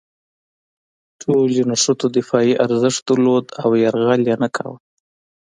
ټولو نښتو دفاعي ارزښت درلود او یرغل یې نه کاوه.